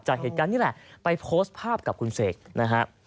จากเหตุการณ์นี้แหละไปโพสต์ภาพกับคุณเสกนะฮะ